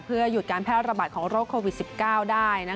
เพื่อหยุดการแพร่ระบาดของโรคโควิด๑๙ได้